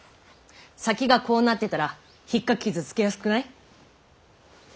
先がこうなってたらひっかき傷つけやすくない？